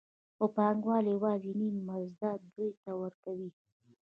خو پانګوال یوازې نیم مزد دوی ته ورکوي